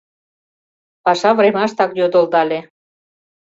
Паша времаштак йодылдале: